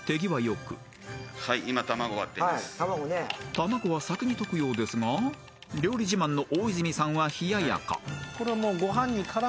［卵は先に溶くようですが料理自慢の大泉さんは冷ややか］